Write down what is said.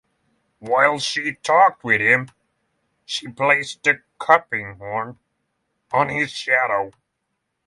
While she talked with him, she placed the cupping-horn on his shadow.